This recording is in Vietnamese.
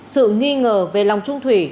sự nghi ngờ về lòng trung thủy